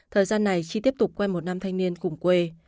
thời gian này chi tiếp tục quen một năm thanh niên cùng quê